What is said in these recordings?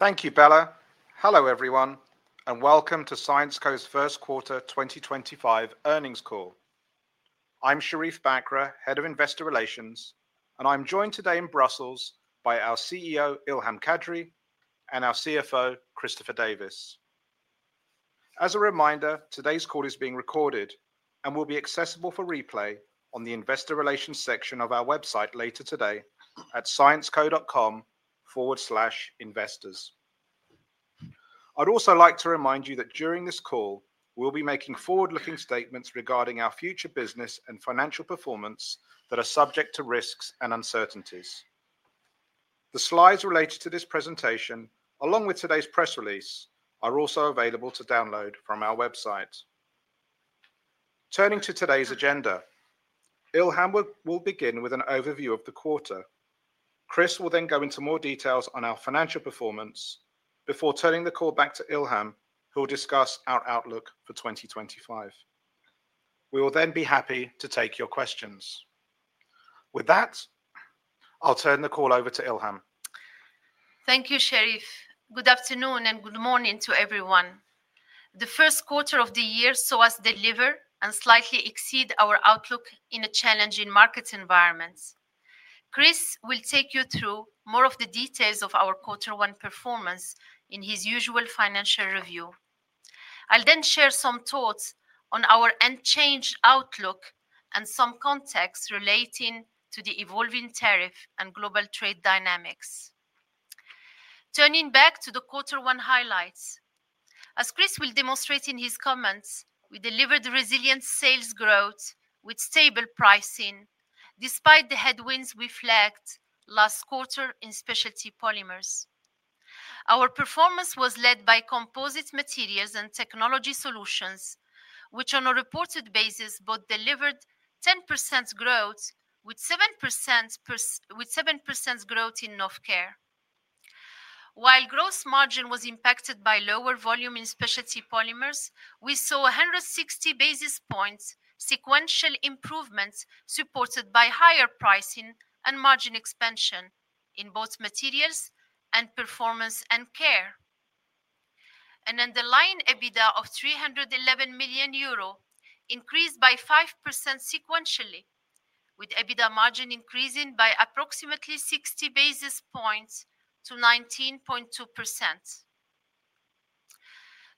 Thank you, Bella. Hello, everyone, and welcome to Syensqo's First Quarter 2025 Earnings Call. I'm Sherief Bakar, Head of Investor Relations, and I'm joined today in Brussels by our CEO, Ilham Kadri, and our CFO, Christopher Davis. As a reminder, today's call is being recorded and will be accessible for replay on the Investor Relations section of our website later today at syensqo.com/investors. I'd also like to remind you that during this call, we'll be making forward-looking statements regarding our future business and financial performance that are subject to risks and uncertainties. The slides related to this presentation, along with today's press release, are also available to download from our website. Turning to today's agenda, Ilham will begin with an overview of the quarter. Chris will then go into more details on our financial performance before turning the call back to Ilham, who will discuss our outlook for 2025. We will then be happy to take your questions. With that, I'll turn the call over to Ilham. Thank you, Sherief. Good afternoon and good morning to everyone. The first quarter of the year saw us deliver and slightly exceed our outlook in a challenging market environment. Chris will take you through more of the details of our quarter one performance in his usual financial review. I'll then share some thoughts on our unchanged outlook and some context relating to the evolving tariff and global trade dynamics. Turning back to the quarter one highlights, as Chris will demonstrate in his comments, we delivered resilient sales growth with stable pricing despite the headwinds we flagged last quarter in specialty polymers. Our performance was led by composite materials and technology solutions, which on a reported basis both delivered 10% growth with 7% growth in Novecare. While gross margin was impacted by lower volume in specialty polymers, we saw 160 basis points sequential improvement supported by higher pricing and margin expansion in both materials and performance and care. An underlying EBITDA of 311 million euro increased by 5% sequentially, with EBITDA margin increasing by approximately 60 basis points to 19.2%.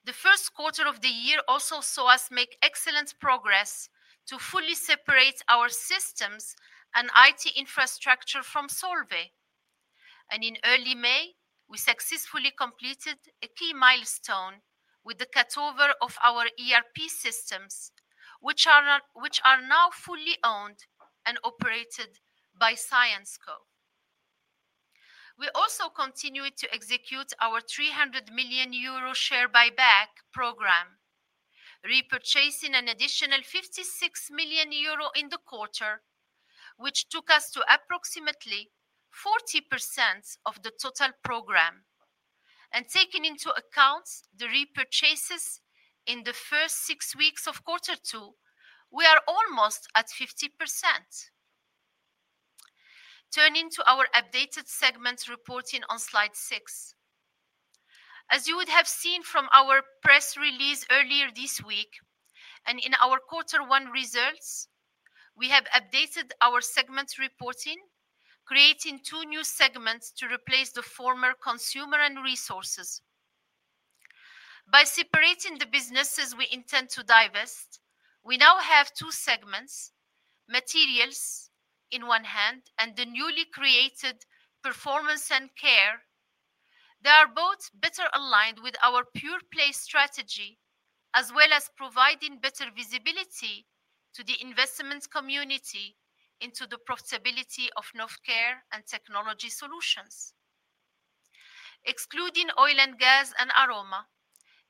The first quarter of the year also saw us make excellent progress to fully separate our systems and IT infrastructure from Solvay. In early May, we successfully completed a key milestone with the cutover of our ERP systems, which are now fully owned and operated by Syensqo. We also continued to execute our 300 million euro share buyback program, repurchasing an additional 56 million euro in the quarter, which took us to approximately 40% of the total program. Taking into account the repurchases in the first six weeks of quarter two, we are almost at 50%. Turning to our updated segment reporting on slide six. As you would have seen from our press release earlier this week and in our quarter one results, we have updated our segment reporting, creating two new segments to replace the former consumer and resources. By separating the businesses we intend to divest, we now have two segments, materials in one hand and the newly created performance and care. They are both better aligned with our pure play strategy, as well as providing better visibility to the investment community into the profitability of Novecare and technology solutions. Excluding oil and gas and aroma,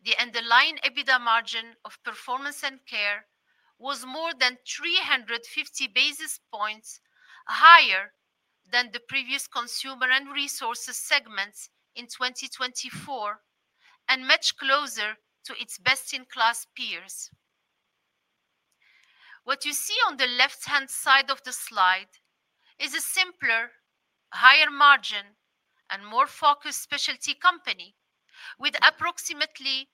the underlying EBITDA margin of performance and care was more than 350 basis points higher than the previous consumer and resources segments in 2024 and much closer to its best-in-class peers. What you see on the left-hand side of the slide is a simpler, higher margin and more focused specialty company with approximately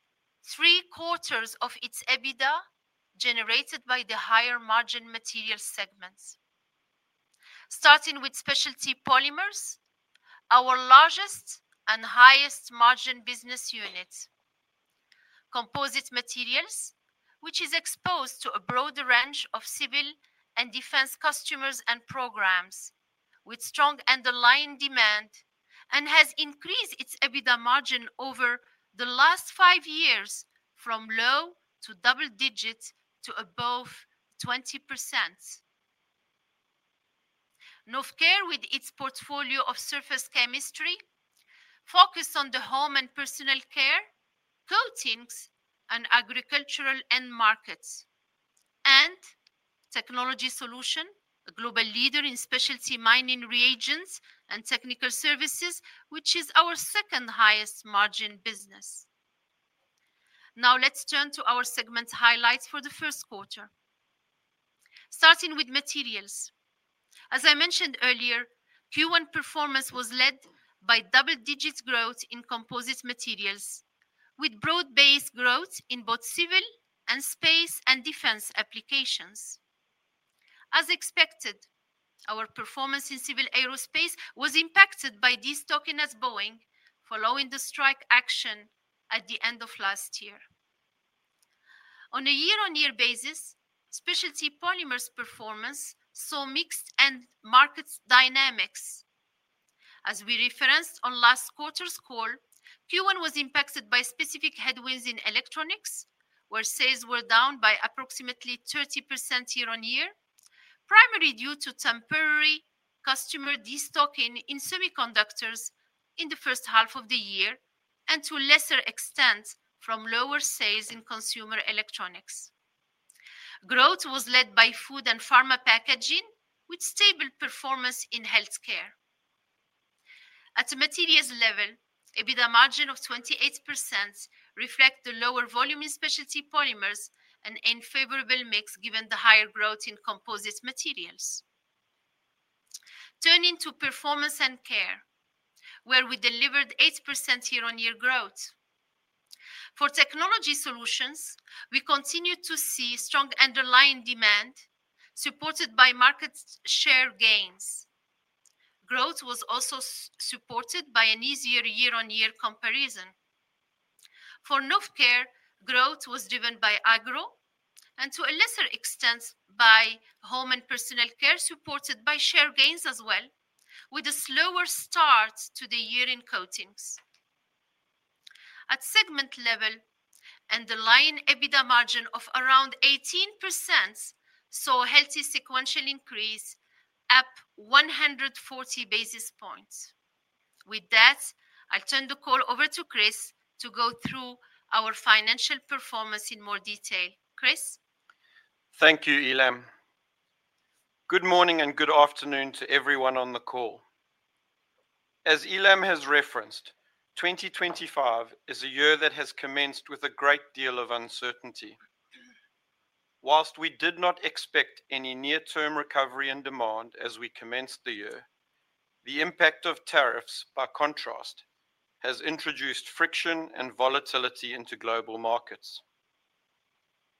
three quarters of its EBITDA generated by the higher margin material segments. Starting with specialty polymers, our largest and highest margin business unit. Composite materials, which is exposed to a broader range of civil and defense customers and programs with strong underlying demand and has increased its EBITDA margin over the last five years from low to double digit to above 20%. Novecare, with its portfolio of surface chemistry, focused on the home and personal care, coatings, and agricultural end markets, and technology solutions, a global leader in specialty mining reagents and technical services, which is our second highest margin business. Now let's turn to our segment highlights for the first quarter. Starting with materials. As I mentioned earlier, Q1 performance was led by double-digit growth in composite materials, with broad-based growth in both civil and space and defense applications. As expected, our performance in civil aerospace was impacted by these tokenized Boeing following the strike action at the end of last year. On a year-on-year basis, specialty polymers performance saw mixed end market dynamics. As we referenced on last quarter's call, Q1 was impacted by specific headwinds in electronics, where sales were down by approximately 30% year-on-year, primarily due to temporary customer destocking in semiconductors in the first half of the year and to a lesser extent from lower sales in consumer electronics. Growth was led by food and pharma packaging, with stable performance in healthcare. At a materials level, EBITDA margin of 28% reflects the lower volume in specialty polymers and unfavorable mix given the higher growth in composite materials. Turning to performance and care, where we delivered 8% year-on-year growth. For technology solutions, we continued to see strong underlying demand supported by market share gains. Growth was also supported by an easier year-on-year comparison. For Novecare, growth was driven by agro and to a lesser extent by home and personal care supported by share gains as well, with a slower start to the year in coatings. At segment level, underlying EBITDA margin of around 18% saw healthy sequential increase, up 140 basis points. With that, I'll turn the call over to Chris to go through our financial performance in more detail. Chris. Thank you, Ilham. Good morning and good afternoon to everyone on the call. As Ilham has referenced, 2025 is a year that has commenced with a great deal of uncertainty. Whilst we did not expect any near-term recovery in demand as we commenced the year, the impact of tariffs, by contrast, has introduced friction and volatility into global markets.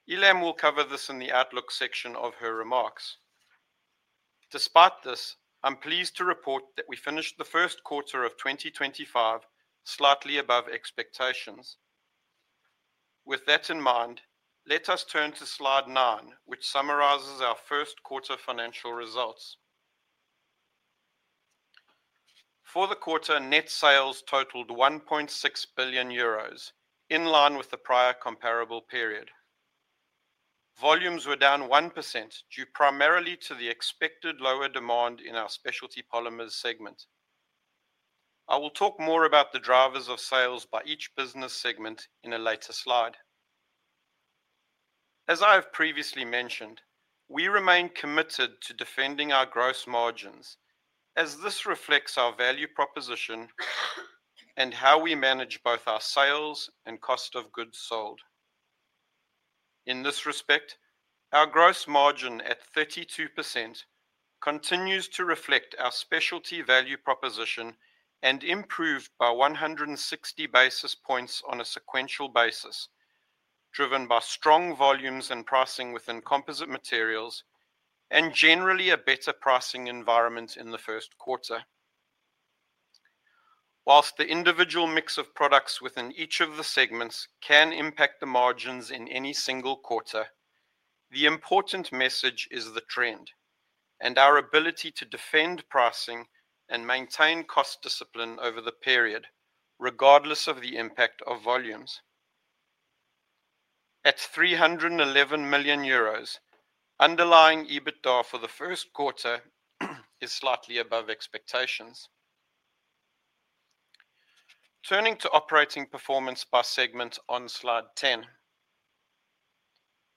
Ilham will cover this in the outlook section of her remarks. Despite this, I'm pleased to report that we finished the first quarter of 2025 slightly above expectations. With that in mind, let us turn to slide nine, which summarizes our first quarter financial results. For the quarter, net sales totaled 1.6 billion euros, in line with the prior comparable period. Volumes were down 1% due primarily to the expected lower demand in our specialty polymers segment. I will talk more about the drivers of sales by each business segment in a later slide. As I have previously mentioned, we remain committed to defending our gross margins as this reflects our value proposition and how we manage both our sales and cost of goods sold. In this respect, our gross margin at 32% continues to reflect our specialty value proposition and improved by 160 basis points on a sequential basis, driven by strong volumes and pricing within composite materials and generally a better pricing environment in the first quarter. Whilst the individual mix of products within each of the segments can impact the margins in any single quarter, the important message is the trend and our ability to defend pricing and maintain cost discipline over the period, regardless of the impact of volumes. At 311 million euros, underlying EBITDA for the first quarter is slightly above expectations. Turning to operating performance by segment on slide 10.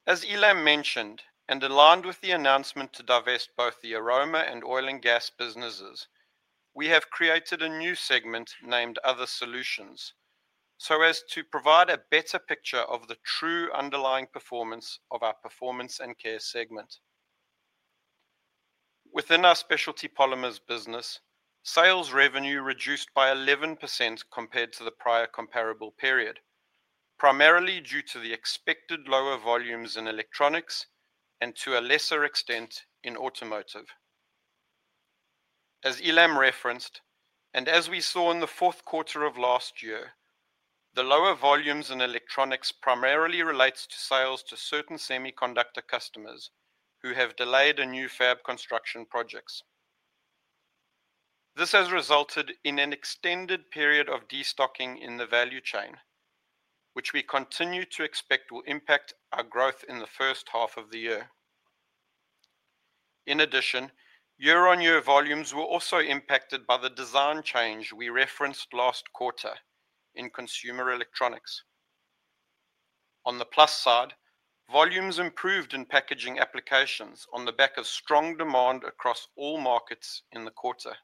As Ilham mentioned, and aligned with the announcement to divest both the aroma and oil and gas businesses, we have created a new segment named Other Solutions, so as to provide a better picture of the true underlying performance of our performance and care segment. Within our specialty polymers business, sales revenue reduced by 11% compared to the prior comparable period, primarily due to the expected lower volumes in electronics and to a lesser extent in automotive. As Ilham referenced, and as we saw in the fourth quarter of last year, the lower volumes in electronics primarily relates to sales to certain semiconductor customers who have delayed new fab construction projects. This has resulted in an extended period of destocking in the value chain, which we continue to expect will impact our growth in the first half of the year. In addition, year-on-year volumes were also impacted by the design change we referenced last quarter in consumer electronics. On the plus side, volumes improved in packaging applications on the back of strong demand across all markets in the quarter.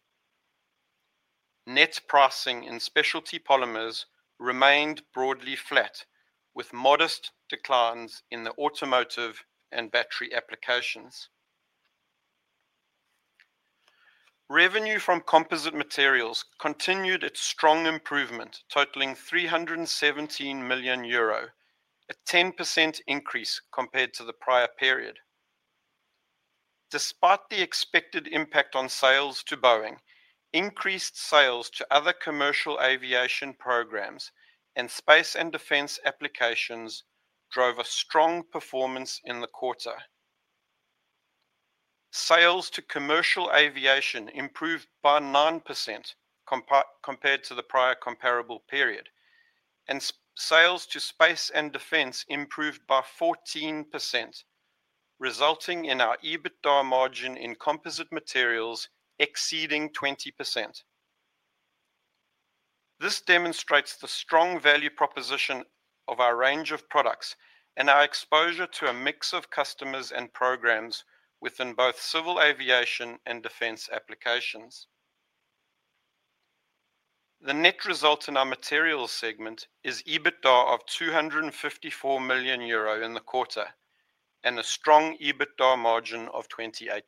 Net pricing in specialty polymers remained broadly flat, with modest declines in the automotive and battery applications. Revenue from composite materials continued its strong improvement, totaling 317 million euro, a 10% increase compared to the prior period. Despite the expected impact on sales to Boeing, increased sales to other commercial aviation programs and space and defense applications drove a strong performance in the quarter. Sales to commercial aviation improved by 9% compared to the prior comparable period, and sales to space and defense improved by 14%, resulting in our EBITDA margin in composite materials exceeding 20%. This demonstrates the strong value proposition of our range of products and our exposure to a mix of customers and programs within both civil aviation and defense applications. The net result in our materials segment is EBITDA of 254 million euro in the quarter and a strong EBITDA margin of 28%.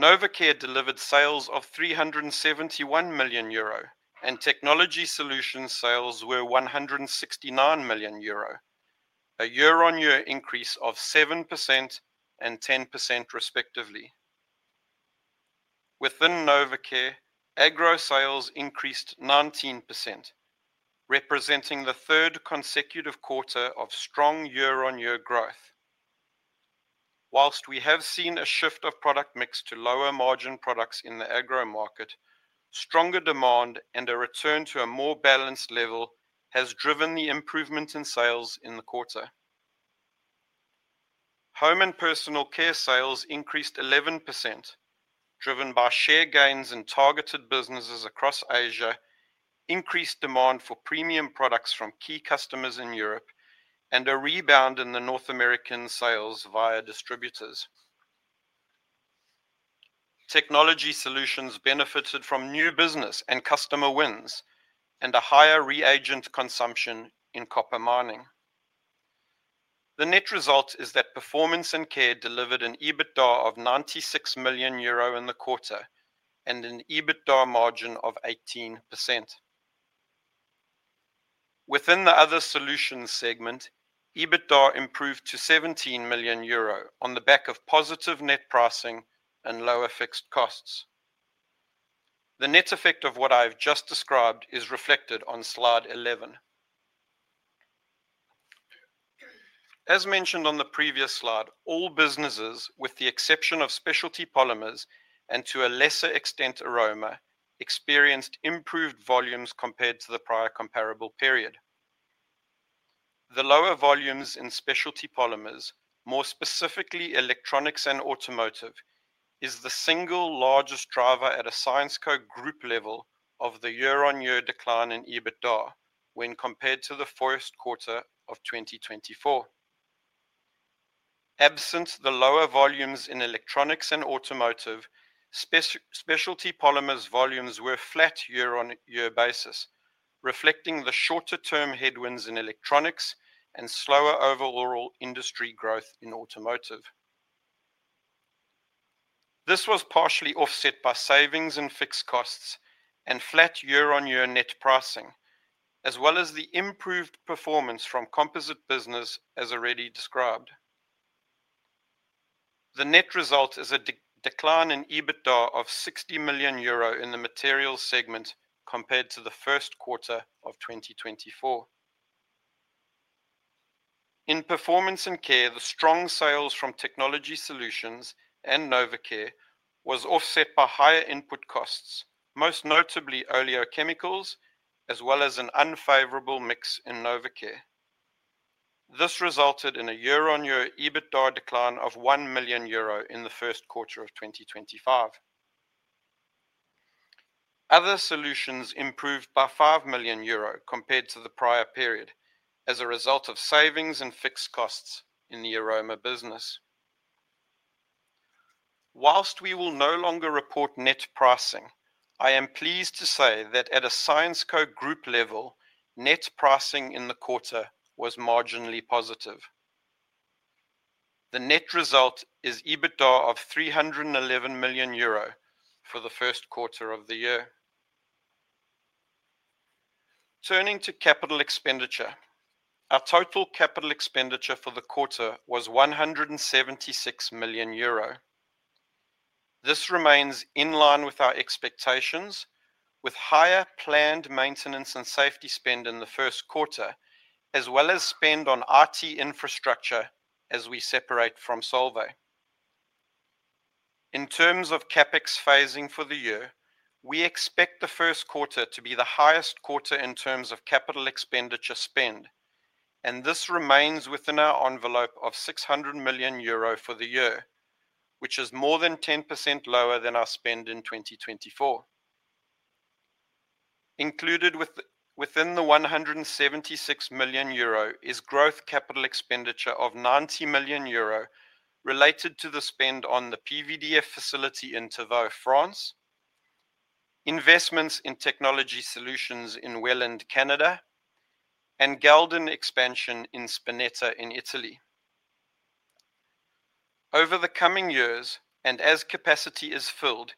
NovaCare delivered sales of 371 million euro, and technology solutions sales were 169 million euro, a year-on-year increase of 7% and 10% respectively. Within NovaCare, agro sales increased 19%, representing the third consecutive quarter of strong year-on-year growth. Whilst we have seen a shift of product mix to lower margin products in the agro market, stronger demand and a return to a more balanced level has driven the improvement in sales in the quarter. Home and personal care sales increased 11%, driven by share gains in targeted businesses across Asia, increased demand for premium products from key customers in Europe, and a rebound in the North American sales via distributors. Technology solutions benefited from new business and customer wins and a higher reagent consumption in copper mining. The net result is that performance and care delivered an EBITDA of 96 million euro in the quarter and an EBITDA margin of 18%. Within the other solutions segment, EBITDA improved to 17 million euro on the back of positive net pricing and lower fixed costs. The net effect of what I have just described is reflected on slide 11. As mentioned on the previous slide, all businesses, with the exception of specialty polymers and to a lesser extent aroma, experienced improved volumes compared to the prior comparable period. The lower volumes in specialty polymers, more specifically electronics and automotive, is the single largest driver at a Syensqo Group level of the year-on-year decline in EBITDA when compared to the first quarter of 2024. Absent the lower volumes in electronics and automotive, specialty polymers volumes were flat year-on-year basis, reflecting the shorter-term headwinds in electronics and slower overall industry growth in automotive. This was partially offset by savings in fixed costs and flat year-on-year net pricing, as well as the improved performance from composite business, as already described. The net result is a decline in EBITDA of 60 million euro in the materials segment compared to the first quarter of 2024. In performance and care, the strong sales from technology solutions and NovaCare was offset by higher input costs, most notably oleochemicals, as well as an unfavorable mix in NovaCare. This resulted in a year-on-year EBITDA decline of 1 million euro in the first quarter of 2025. Other solutions improved by 5 million euro compared to the prior period as a result of savings in fixed costs in the aroma business. Whilst we will no longer report net pricing, I am pleased to say that at a Syensqo group level, net pricing in the quarter was marginally positive. The net result is EBITDA of 311 million euro for the first quarter of the year. Turning to capital expenditure, our total capital expenditure for the quarter was 176 million euro. This remains in line with our expectations, with higher planned maintenance and safety spend in the first quarter, as well as spend on IT infrastructure as we separate from Solvay. In terms of CapEx phasing for the year, we expect the first quarter to be the highest quarter in terms of capital expenditure spend, and this remains within our envelope of 600 million euro for the year, which is more than 10% lower than our spend in 2024. Included within the 176 million euro is growth capital expenditure of 90 million euro related to the spend on the PVDF facility in Tavaux, France, investments in technology solutions in Welland, Canada, and Gelon expansion in Spinetta in Italy. Over the coming years, and as capacity is filled,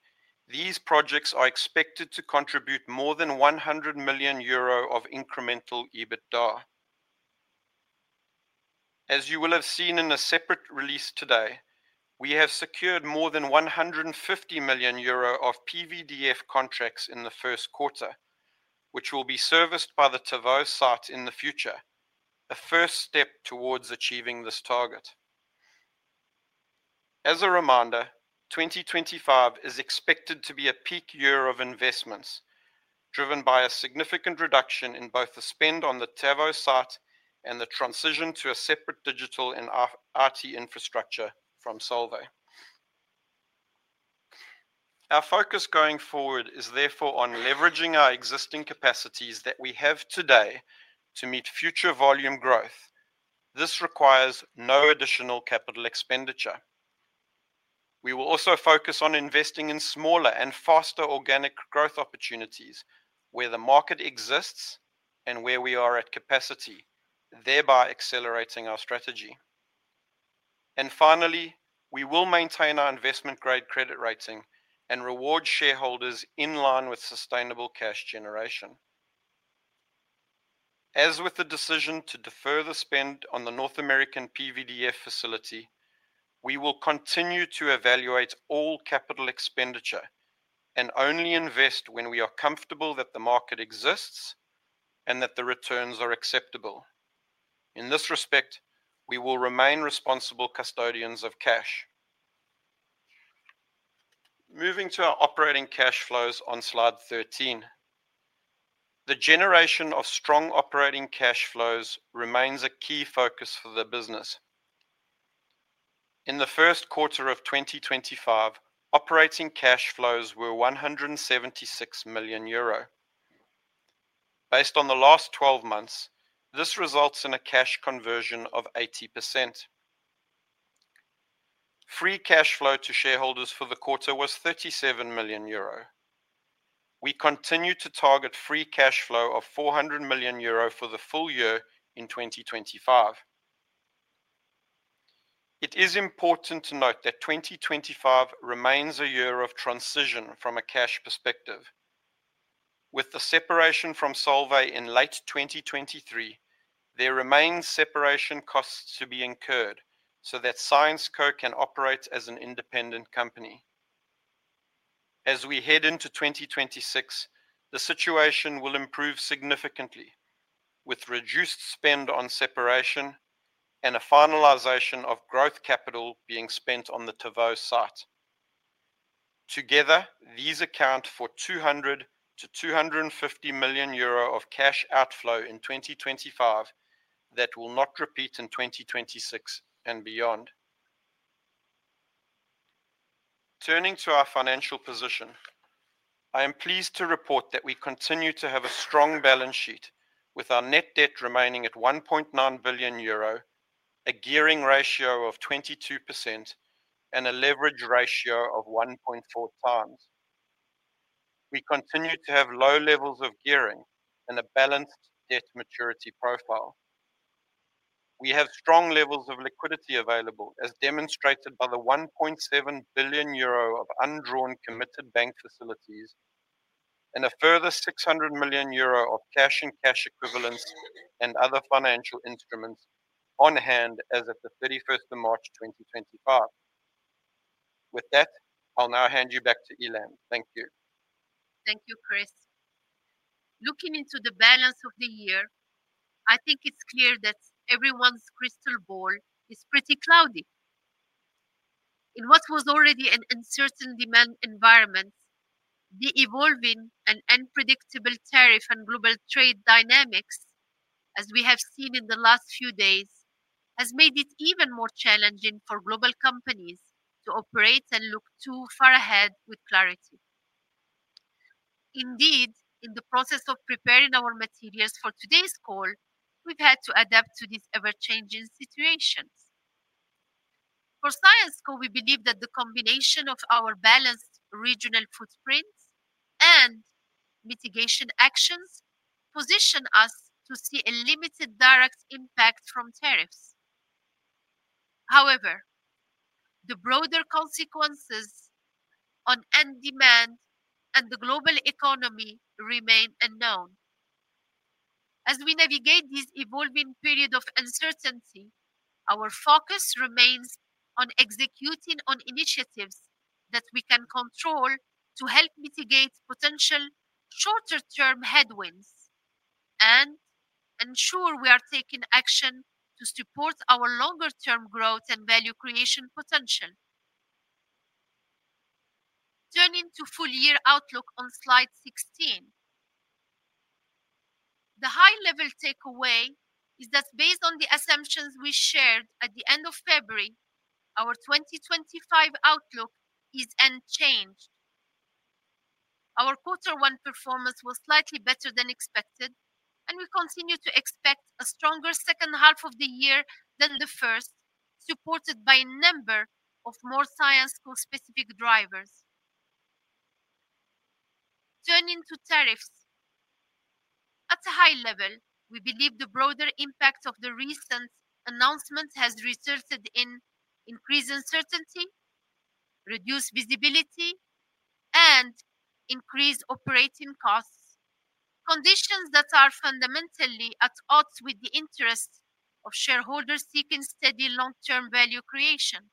these projects are expected to contribute more than 100 million euro of incremental EBITDA. As you will have seen in a separate release today, we have secured more than 150 million euro of PVDF contracts in the first quarter, which will be serviced by the Tivaux site in the future, a first step towards achieving this target. As a reminder, 2025 is expected to be a peak year of investments, driven by a significant reduction in both the spend on the Tavaux site and the transition to a separate digital and IT infrastructure from Solvay. Our focus going forward is therefore on leveraging our existing capacities that we have today to meet future volume growth. This requires no additional capital expenditure. We will also focus on investing in smaller and faster organic growth opportunities where the market exists and where we are at capacity, thereby accelerating our strategy. Finally, we will maintain our investment-grade credit rating and reward shareholders in line with sustainable cash generation. As with the decision to defer the spend on the North American PVDF facility, we will continue to evaluate all capital expenditure and only invest when we are comfortable that the market exists and that the returns are acceptable. In this respect, we will remain responsible custodians of cash. Moving to our operating cash flows on slide 13. The generation of strong operating cash flows remains a key focus for the business. In the first quarter of 2025, operating cash flows were 176 million euro. Based on the last 12 months, this results in a cash conversion of 80%. Free cash flow to shareholders for the quarter was 37 million euro. We continue to target free cash flow of 400 million euro for the full year in 2025. It is important to note that 2025 remains a year of transition from a cash perspective. With the separation from Solvay in late 2023, there remain separation costs to be incurred so that Syensqo can operate as an independent company. As we head into 2026, the situation will improve significantly, with reduced spend on separation and a finalization of growth capital being spent on the Tavaux site. Together, these account for 200 million-250 million euro of cash outflow in 2025 that will not repeat in 2026 and beyond. Turning to our financial position, I am pleased to report that we continue to have a strong balance sheet, with our net debt remaining at 1.9 billion euro, a gearing ratio of 22%, and a leverage ratio of 1.4x. We continue to have low levels of gearing and a balanced debt maturity profile. We have strong levels of liquidity available, as demonstrated by the 1.7 billion euro of undrawn committed bank facilities and a further 600 million euro of cash and cash equivalents and other financial instruments on hand as of the 31st of March 2025. With that, I'll now hand you back to Ilham. Thank you. Thank you, Chris. Looking into the balance of the year, I think it's clear that everyone's crystal ball is pretty cloudy. In what was already an uncertain demand environment, the evolving and unpredictable tariff and global trade dynamics, as we have seen in the last few days, has made it even more challenging for global companies to operate and look too far ahead with clarity. Indeed, in the process of preparing our materials for today's call, we've had to adapt to these ever-changing situations. For Syensqo, we believe that the combination of our balanced regional footprint and mitigation actions positions us to see a limited direct impact from tariffs. However, the broader consequences on end demand and the global economy remain unknown. As we navigate this evolving period of uncertainty, our focus remains on executing on initiatives that we can control to help mitigate potential shorter-term headwinds and ensure we are taking action to support our longer-term growth and value creation potential. Turning to full-year outlook on slide 16. The high-level takeaway is that based on the assumptions we shared at the end of February, our 2025 outlook is unchanged. Our quarter one performance was slightly better than expected, and we continue to expect a stronger second half of the year than the first, supported by a number of more Syensqo specific drivers. Turning to tariffs. At a high level, we believe the broader impact of the recent announcement has resulted in increased uncertainty, reduced visibility, and increased operating costs, conditions that are fundamentally at odds with the interests of shareholders seeking steady long-term value creation.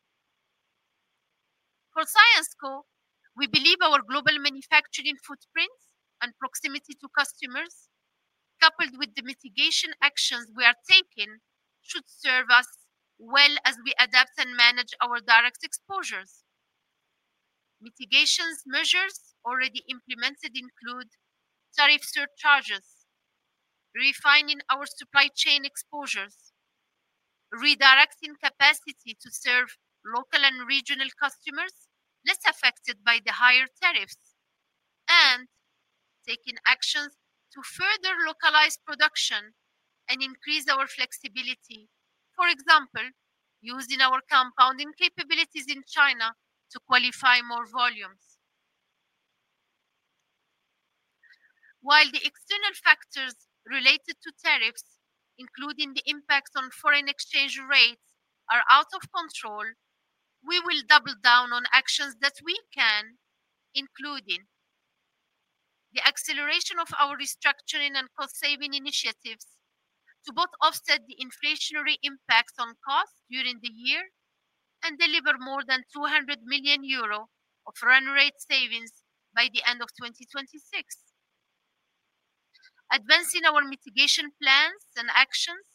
For Syensqo, we believe our global manufacturing footprint and proximity to customers, coupled with the mitigation actions we are taking, should serve us well as we adapt and manage our direct exposures. Mitigation measures already implemented include tariff surcharges, refining our supply chain exposures, redirecting capacity to serve local and regional customers less affected by the higher tariffs, and taking actions to further localize production and increase our flexibility, for example, using our compounding capabilities in China to qualify more volumes. While the external factors related to tariffs, including the impact on foreign exchange rates, are out of control, we will double down on actions that we can, including the acceleration of our restructuring and cost-saving initiatives to both offset the inflationary impact on costs during the year and deliver more than 200 million euro of run rate savings by the end of 2026. Advancing our mitigation plans and actions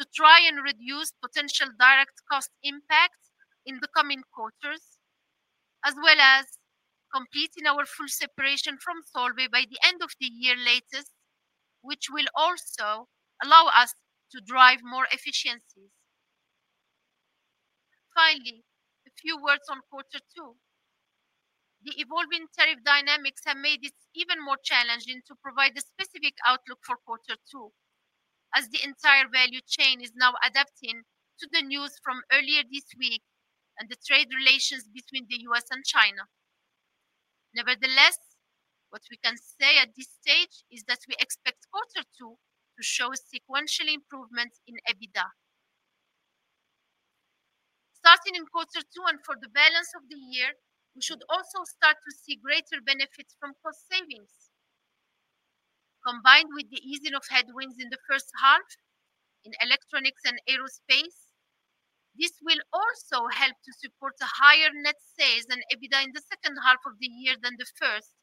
to try and reduce potential direct cost impact in the coming quarters, as well as completing our full separation from Solvay by the end of the year at the latest, which will also allow us to drive more efficiencies. Finally, a few words on quarter two. The evolving tariff dynamics have made it even more challenging to provide a specific outlook for quarter two, as the entire value chain is now adapting to the news from earlier this week and the trade relations between the U.S. and China. Nevertheless, what we can say at this stage is that we expect quarter two to show sequential improvements in EBITDA. Starting in quarter two and for the balance of the year, we should also start to see greater benefits from cost savings. Combined with the easing of headwinds in the first half in electronics and aerospace, this will also help to support a higher net sales and EBITDA in the second half of the year than the first,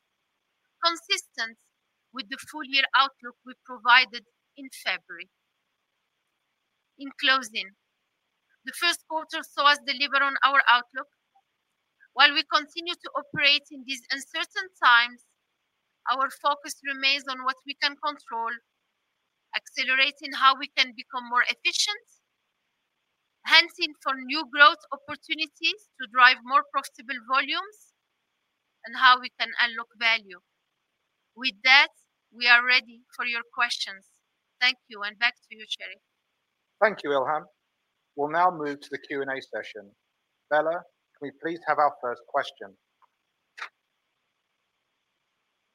consistent with the full-year outlook we provided in February. In closing, the first quarter saw us deliver on our outlook. While we continue to operate in these uncertain times, our focus remains on what we can control, accelerating how we can become more efficient, hunting for new growth opportunities to drive more profitable volumes, and how we can unlock value. With that, we are ready for your questions. Thank you, and back to you, Sherief. Thank you, Ilham. We'll now move to the Q&A session. Bella, can we please have our first question?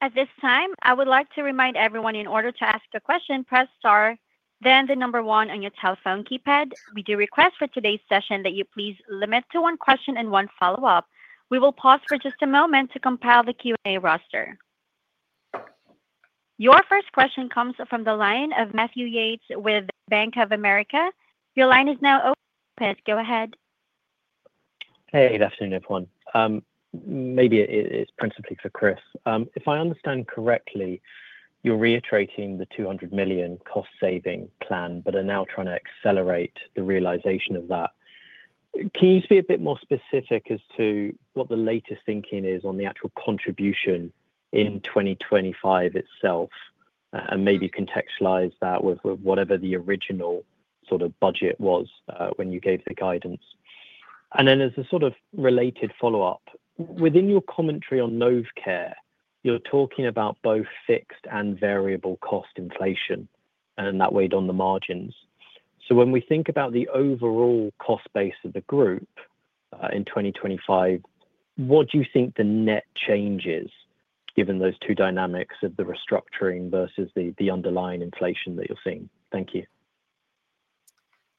At this time, I would like to remind everyone in order to ask a question, press star, then the number one on your telephone keypad. We do request for today's session that you please limit to one question and one follow-up. We will pause for just a moment to compile the Q&A roster. Your first question comes from the line of Matthew Yates with Bank of America. Your line is now open. Go ahead. Hey, good afternoon, everyone. Maybe it is principally for Chris. If I understand correctly, you're reiterating the 200 million cost-saving plan, but are now trying to accelerate the realization of that. Can you just be a bit more specific as to what the latest thinking is on the actual contribution in 2025 itself, and maybe contextualize that with whatever the original sort of budget was when you gave the guidance? Then as a sort of related follow-up, within your commentary on Novecare, you're talking about both fixed and variable cost inflation, and that weighed on the margins. When we think about the overall cost base of the group in 2025, what do you think the net change is, given those two dynamics of the restructuring versus the underlying inflation that you're seeing? Thank you.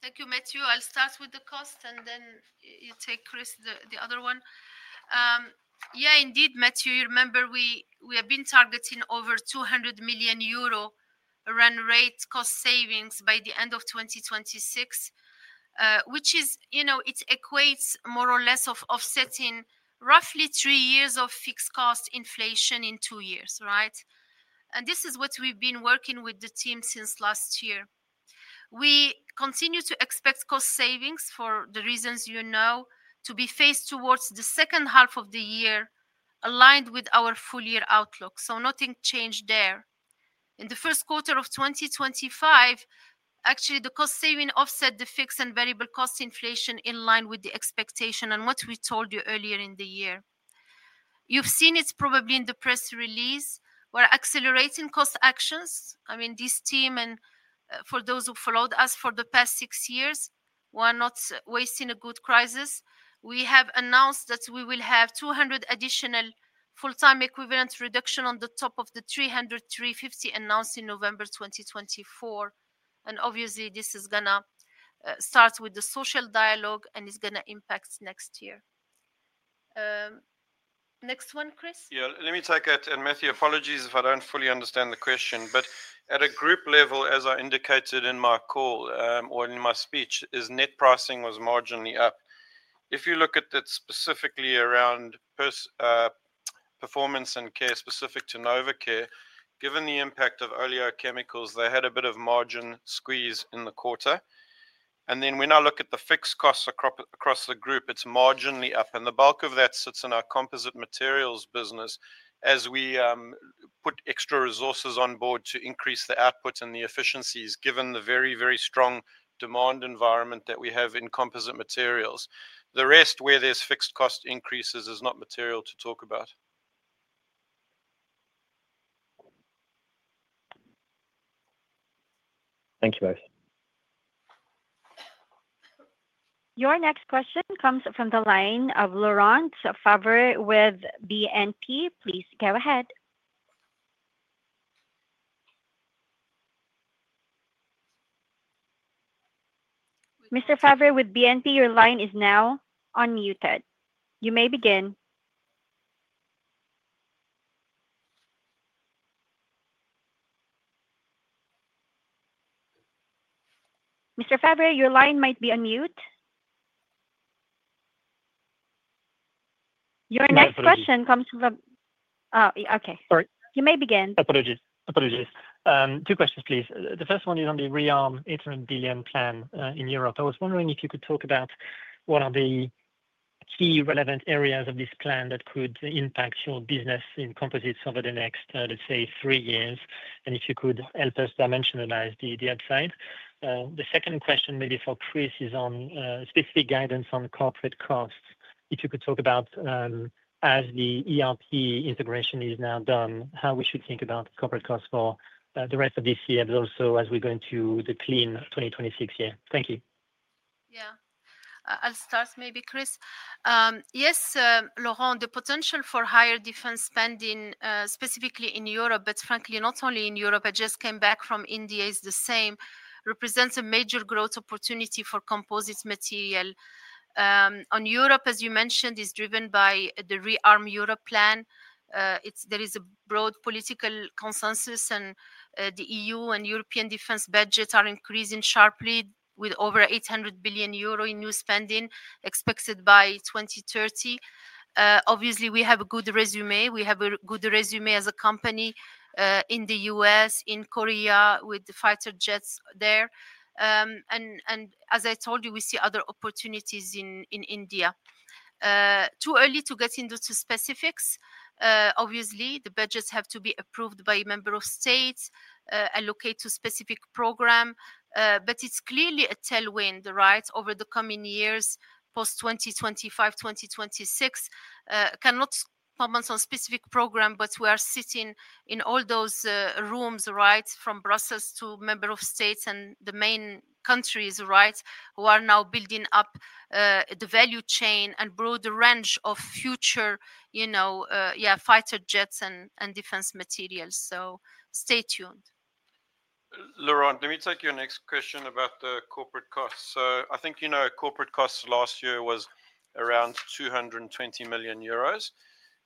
Thank you, Matthew. I'll start with the cost, and then you take, Chris, the other one. Yeah, indeed, Matthew, you remember we have been targeting over 200 million euro run rate cost savings by the end of 2026, which equates more or less to offsetting roughly three years of fixed cost inflation in two years, right? This is what we've been working with the team since last year. We continue to expect cost savings, for the reasons you know, to be phased towards the second half of the year, aligned with our full-year outlook. Nothing changed there. In the first quarter of 2025, actually, the cost saving offset the fixed and variable cost inflation in line with the expectation and what we told you earlier in the year. You have seen it probably in the press release, we are accelerating cost actions. I mean, this team, and for those who followed us for the past six years, we are not wasting a good crisis. We have announced that we will have 200 additional full-time equivalent reductions on top of the 300-350 announced in November 2024. Obviously, this is going to start with the social dialogue, and it is going to impact next year. Next one, Chris? Yeah, let me take it. Matthew, apologies if I do not fully understand the question. At a group level, as I indicated in my call or in my speech, net pricing was marginally up. If you look at it specifically around performance and care specific to Novecare, given the impact of oleochemicals, they had a bit of margin squeeze in the quarter. When I look at the fixed costs across the group, it is marginally up. The bulk of that sits in our composite materials business as we put extra resources on board to increase the output and the efficiencies, given the very, very strong demand environment that we have in composite materials. The rest, where there are fixed cost increases, is not material to talk about. Thank you both. Your next question comes from the line of Laurent Favre with BNP. Please go ahead. Mr. Favre with BNP, your line is now unmuted. You may begin. Mr. Favre, your line might be on mute. Your next question comes from—oh, okay. Sorry. You may begin. Apologies. Apologies. Two questions, please. The first one is on the rearm interim billion plan in Europe. I was wondering if you could talk about what are the key relevant areas of this plan that could impact your business in composites over the next, let's say, three years, and if you could help us dimensionalize the outside. The second question, maybe for Chris, is on specific guidance on corporate costs. If you could talk about, as the ERP integration is now done, how we should think about corporate costs for the rest of this year, but also as we go into the clean 2026 year. Thank you. Yeah. I'll start maybe, Chris. Yes, Laurent, the potential for higher defense spending, specifically in Europe, but frankly, not only in Europe, I just came back from India, is the same, represents a major growth opportunity for composite materials. On Europe, as you mentioned, is driven by the ReArm Europe plan. There is a broad political consensus, and the EU and European defense budgets are increasing sharply, with over 800 million euro in new spending expected by 2030. Obviously, we have a good resume. We have a good resume as a company in the U.S., in Korea, with the fighter jets there. As I told you, we see other opportunities in India. Too early to get into specifics. Obviously, the budgets have to be approved by a member of state and allocate to specific programs. It is clearly a tailwind, right, over the coming years, post 2025, 2026. Cannot comment on specific programs, but we are sitting in all those rooms, right, from Brussels to member states and the main countries, right, who are now building up the value chain and broader range of future, yeah, fighter jets and defense materials. Stay tuned. Laurent, let me take your next question about the corporate costs. I think you know corporate costs last year was around 220 million euros.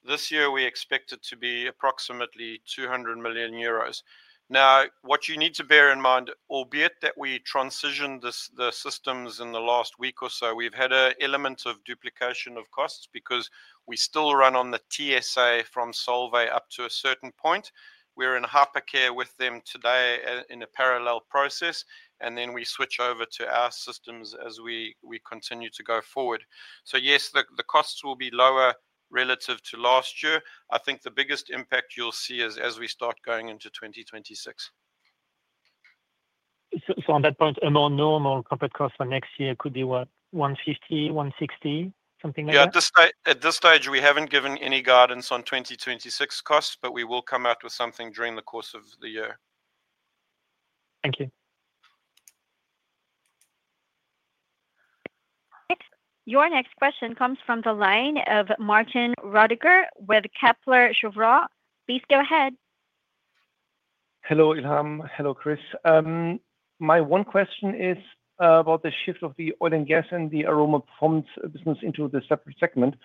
This year, we expect it to be approximately 200 million euros. Now, what you need to bear in mind, albeit that we transitioned the systems in the last week or so, we've had an element of duplication of costs because we still run on the TSA from Solvay up to a certain point. We are in Hypercare with them today in a parallel process, and then we switch over to our systems as we continue to go forward. Yes, the costs will be lower relative to last year. I think the biggest impact you'll see is as we start going into 2026. On that point, a more normal corporate cost for next year could be 150 million, 160 million, something like that? Yeah, at this stage, we haven't given any guidance on 2026 costs, but we will come out with something during the course of the year. Thank you. Your next question comes from the line of Martin Radiger with Kepler Cheuvreux. Please go ahead. Hello, Ilham. Hello, Chris. My one question is about the shift of the oil and gas and the aroma performance business into the separate segment.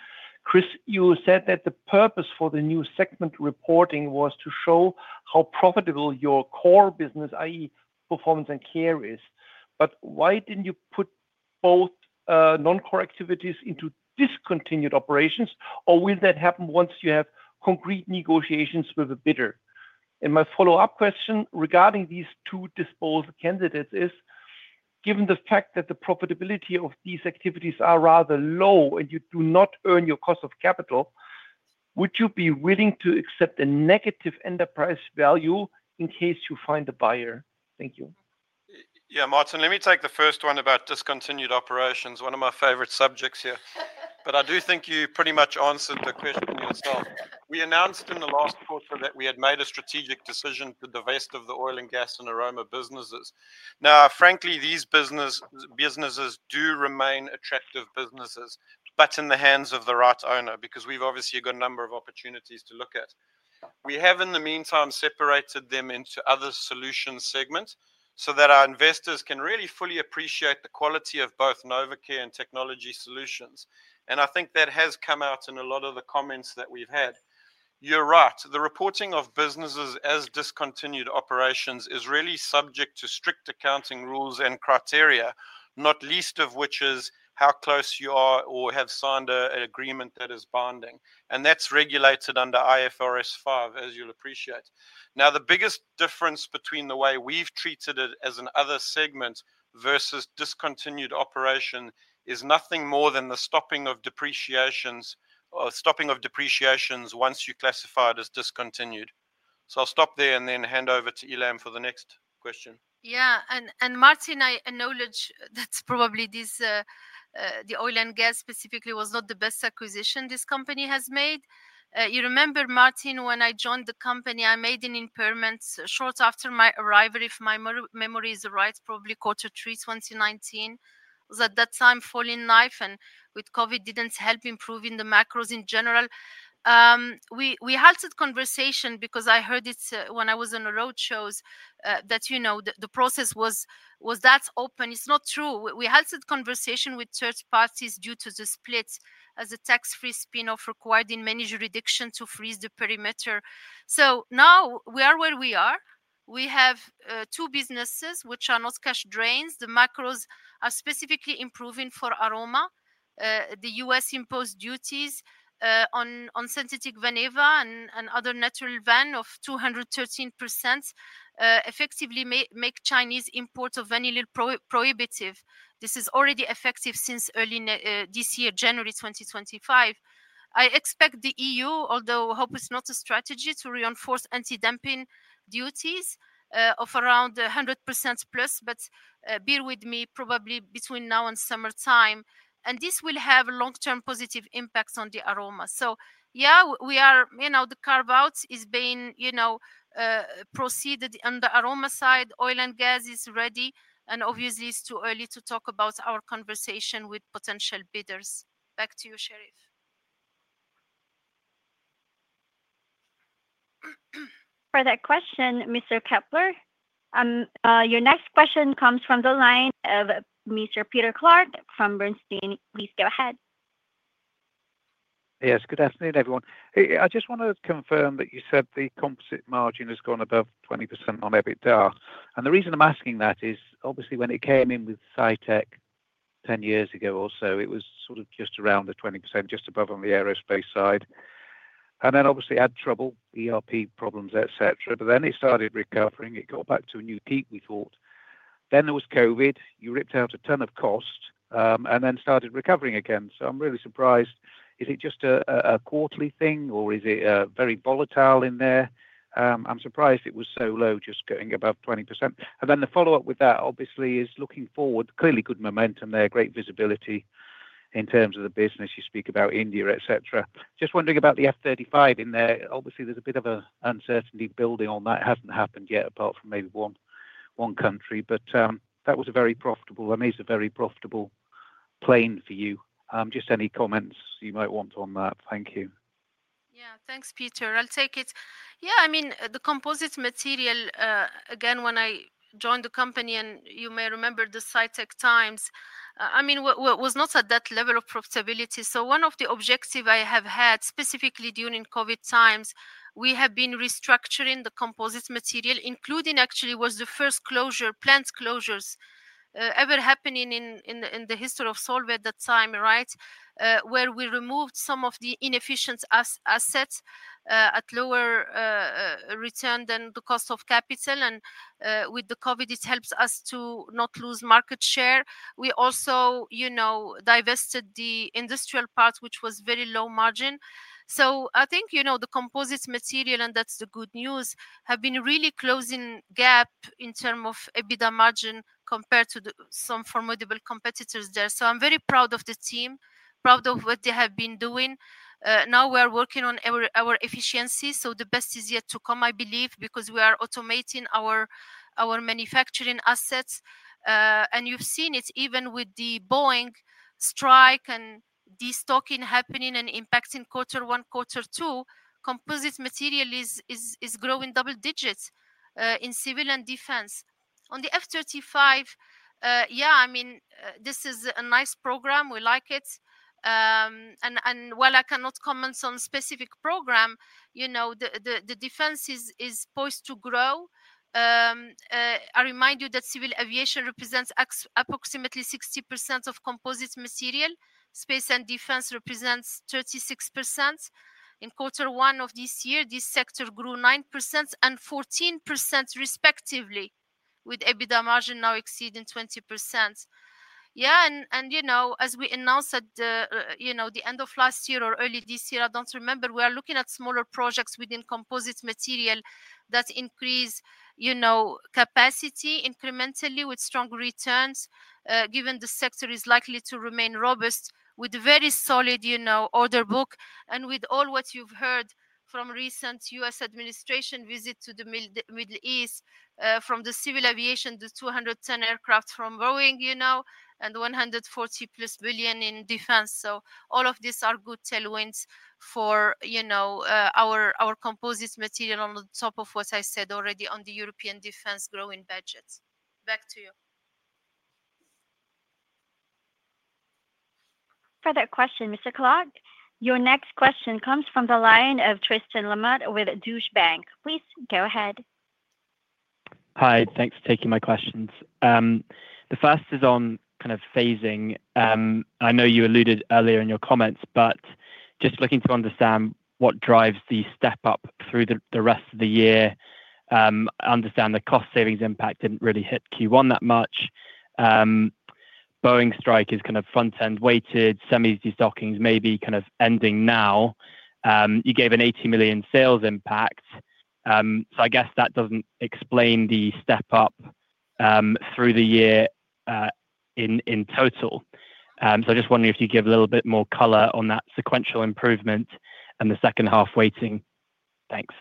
Chris, you said that the purpose for the new segment reporting was to show how profitable your core business, i.e., performance and care, is. Why did you not put both non-core activities into discontinued operations, or will that happen once you have concrete negotiations with a bidder? My follow-up question regarding these two disposal candidates is, given the fact that the profitability of these activities is rather low and you do not earn your cost of capital, would you be willing to accept a negative enterprise value in case you find a buyer? Thank you. Yeah, Martin, let me take the first one about discontinued operations, one of my favorite subjects here. I do think you pretty much answered the question yourself. We announced in the last quarter that we had made a strategic decision to divest of the oil and gas and aroma businesses. Frankly, these businesses do remain attractive businesses, but in the hands of the right owner because we have obviously got a number of opportunities to look at. We have, in the meantime, separated them into other solution segments so that our investors can really fully appreciate the quality of both Novecare and technology solutions. I think that has come out in a lot of the comments that we've had. You're right. The reporting of businesses as discontinued operations is really subject to strict accounting rules and criteria, not least of which is how close you are or have signed an agreement that is binding. That is regulated under IFRS 5, as you'll appreciate. Now, the biggest difference between the way we've treated it as an other segment versus discontinued operation is nothing more than the stopping of depreciations once you classify it as discontinued. I'll stop there and then hand over to Ilham for the next question. Yeah, Martin, I acknowledge that probably the oil and gas specifically was not the best acquisition this company has made. You remember, Martin, when I joined the company, I made an impairment short after my arrival, if my memory is right, probably quarter three 2019. It was at that time falling knife, and with COVID, it did not help improving the macros in general. We halted conversation because I heard it when I was on the roadshows that the process was that open. It is not true. We halted conversation with third parties due to the split as a tax-free spin-off required in many jurisdictions to freeze the perimeter. Now we are where we are. We have two businesses which are not cash drains. The macros are specifically improving for aroma. The U.S. imposed duties on synthetic vanillin and other natural vanillin of 213% effectively make Chinese imports of vanillin prohibitive. This is already effective since early this year, January 2025. I expect the EU, although I hope it's not a strategy, to reinforce anti-dumping duties of around 100% plus, but bear with me, probably between now and summertime. This will have long-term positive impacts on the aroma. Yeah, the carve-out is being proceeded on the aroma side. Oil and gas is ready. Obviously, it's too early to talk about our conversation with potential bidders. Back to you, Sherief. For that question, Mr. Kepler, your next question comes from the line of Mr. Peter Clark from Bernstein. Please go ahead. Yes, good afternoon, everyone. I just want to confirm that you said the composite margin has gone above 20% on EBITDA. The reason I'm asking that is, obviously, when it came in with Sytec 10 years ago or so, it was sort of just around the 20%, just above on the aerospace side. Obviously, had trouble, ERP problems, etc. It started recovering. It got back to a new peak, we thought. There was COVID. You ripped out a ton of cost and then started recovering again. I'm really surprised. Is it just a quarterly thing, or is it very volatile in there? I'm surprised it was so low, just going above 20%. The follow-up with that, obviously, is looking forward. Clearly, good momentum there, great visibility in terms of the business. You speak about India, etc. Just wondering about the F-35 in there. Obviously, there's a bit of an uncertainty building on that. It hasn't happened yet, apart from maybe one country. That was a very profitable, and it is a very profitable plane for you. Just any comments you might want on that? Thank you. Yeah, thanks, Peter. I'll take it. Yeah, I mean, the composite material, again, when I joined the company, and you may remember the Cytec times I mean, it was not at that level of profitability. One of the objectives I have had, specifically during COVID times, we have been restructuring the composite material, including, actually, was the first plant closures ever happening in the history of Solvay at that time, right, where we removed some of the inefficient assets at lower return than the cost of capital. With the COVID, it helped us to not lose market share. We also divested the industrial part, which was very low margin. I think the composite material, and that's the good news, have been really closing the gap in terms of EBITDA margin compared to some formidable competitors there. I am very proud of the team, proud of what they have been doing. Now we are working on our efficiency. The best is yet to come, I believe, because we are automating our manufacturing assets. You have seen it even with the Boeing strike and the stocking happening and impacting quarter one, quarter two, composite material is growing double digits in civil and defense. On the F-35, yeah, I mean, this is a nice program. We like it. While I cannot comment on a specific program, the defense is poised to grow. I remind you that civil aviation represents approximately 60% of composite material. Space and defense represents 36%. In quarter one of this year, this sector grew 9% and 14%, respectively, with EBITDA margin now exceeding 20%. Yeah, and as we announced at the end of last year or early this year, I do not remember, we are looking at smaller projects within composite materials that increase capacity incrementally with strong returns, given the sector is likely to remain robust with a very solid order book. With all what you have heard from recent U.S. administration visit to the Middle East, from the civil aviation, the 210 aircraft from Boeing, and the 140-plus billion in defense. All of these are good tailwinds for our composite materials on top of what I said already on the European defense growing budget. Back to you. For that question, Mr. Clark, your next question comes from the line of Tristan Lamutt with Deutsche Bank. Please go ahead. Hi, thanks for taking my questions. The first is on kind of phasing. I know you alluded earlier in your comments, but just looking to understand what drives the step-up through the rest of the year. I understand the cost savings impact did not really hit Q1 that much. Boeing strike is kind of front-end weighted, some of the stockings may be kind of ending now. You gave an 80 million sales impact. I guess that does not explain the step-up through the year in total. I am just wondering if you could give a little bit more color on that sequential improvement and the second half weighting. Thanks.